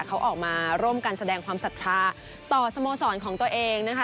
เขาออกมาร่วมกันแสดงความศรัทธาต่อสโมสรของตัวเองนะคะ